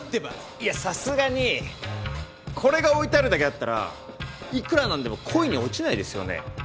いやさすがにこれが置いてあるだけだったらいくらなんでも恋に落ちないですよね？